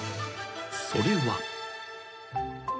［それは］